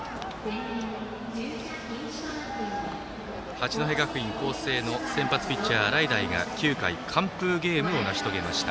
八戸学院光星の先発ピッチャー、洗平が９回、完封ゲームを成し遂げました。